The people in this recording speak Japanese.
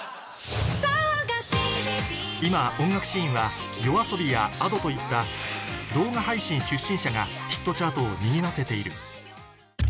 今音楽シーンはＹＯＡＳＯＢＩやＡｄｏといった動画配信出身者がヒットチャートを賑わせている